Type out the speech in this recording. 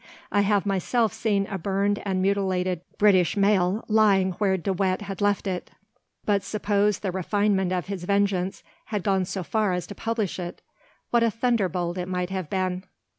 I have myself seen a burned and mutilated British mail lying where De Wet had left it; but suppose the refinement of his vengeance had gone so far as to publish it, what a thunder bolt it might have been!